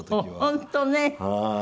本当ね。